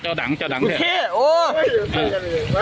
เจ้าดังเจ้าดังโอ้โฮ